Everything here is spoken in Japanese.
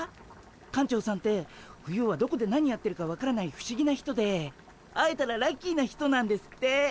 館長さんって冬はどこで何やってるか分からない不思議な人で会えたらラッキーな人なんですって。